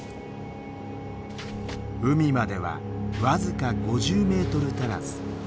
海までは僅か５０メートル足らず。